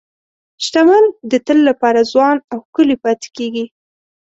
شتمن د تل لپاره ځوان او ښکلي پاتې کېږي.